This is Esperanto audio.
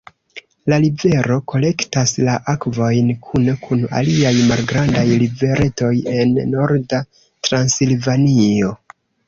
La rivero kolektas la akvojn kune kun aliaj malgrandaj riveretoj en Norda Transilvanio.